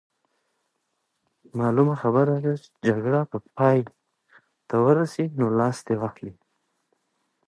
معلومه خبره ده چې جګړه به پای ته ورسي، نو لاس دې واخلي.